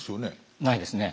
ないですね。